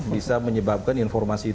bisa menyebabkan informasi